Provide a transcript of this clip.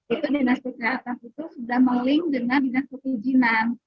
itu dinas kesehatan itu sudah melink dengan dinas perizinan